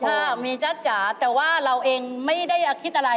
ค่ะมีจ๊ะจ๋าแต่ว่าเราเองไม่ได้คิดอะไร